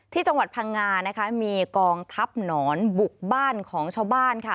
ที่จังหวัดพังงานะคะมีกองทัพหนอนบุกบ้านของชาวบ้านค่ะ